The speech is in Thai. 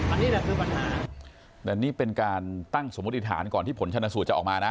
อันนี้แหละมันภาษาเป็นการตั้งสมมติฐานก่อนที่ผลชนสูตรจะออกมานะ